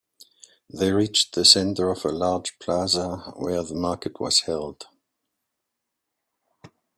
They reached the center of a large plaza where the market was held.